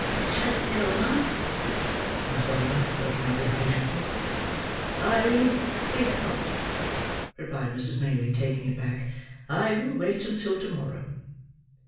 "Shall it go, ma'am?" asked Oliver, looking up, impatiently. "I think not," replied Mrs. Maylie, taking it back. "I will wait until to morrow."